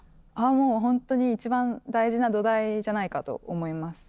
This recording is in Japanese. もう本当にいちばん大事な土台じゃないかと思います。